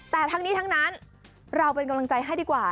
แต่ทั้งนี้ทั้งนั้นเราเป็นกำลังใจให้ดีกว่า